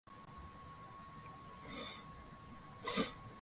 kupumua kikohozi na kuzidisha hali zilizokuwepo kuwa mbaya